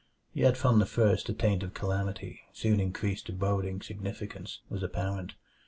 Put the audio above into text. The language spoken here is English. Yet from the first a taint of calamity, soon increased to boding significance, was apparent.